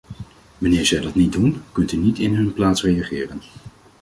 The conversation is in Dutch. Wanneer zij dat niet doen, kunt u niet in hun plaats reageren.